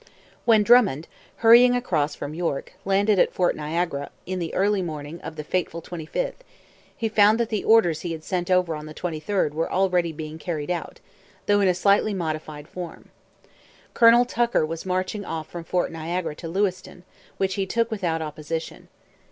When Drummond, hurrying across from York, landed at Fort Niagara in the early morning of the fateful 25th, he found that the orders he had sent over on the 23rd were already being carried out, though in a slightly modified form. Colonel Tucker was marching off from Fort Niagara to Lewiston, which he took without opposition.